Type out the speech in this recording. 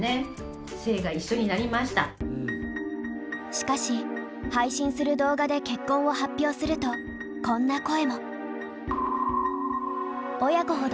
しかし配信する動画で結婚を発表するとこんな声も。